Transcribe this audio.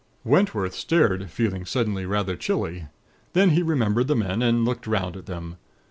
"Wentworth stared, feeling suddenly rather chilly. Then he remembered the men, and looked 'round at them.